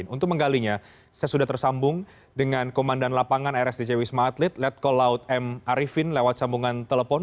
untuk menggalinya saya sudah tersambung dengan komandan lapangan rsdc wisma atlet letkol laut m arifin lewat sambungan telepon